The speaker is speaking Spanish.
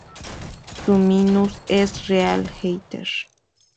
Su minus es "Real Eater".